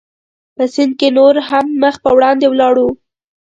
په سیند کې نور هم مخ پر وړاندې ولاړو.